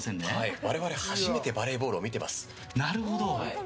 我々、初めてバレーボールを見ています。